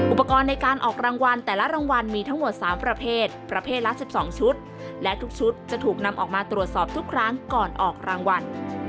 อุปกรณ์ในการออกรางวัลแต่ละรางวัลมีทั้งหมด๓ประเภทประเภทละ๑๒ชุดและทุกชุดจะถูกนำออกมาตรวจสอบทุกครั้งก่อนออกรางวัล